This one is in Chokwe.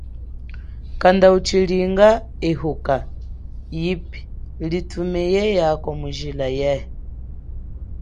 Kanda uchilinga ehuka yipi litume yeyako mu jila ye.